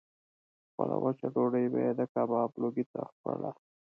خپله وچه ډوډۍ به یې د کباب لوګي ته خوړه.